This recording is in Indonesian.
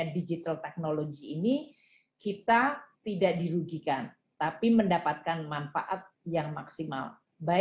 di sini akan dibahas berbagai proses